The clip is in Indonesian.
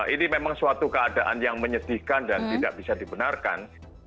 ini memang suatu keadaan yang menyedihkan dan tidak bisa dibenarkan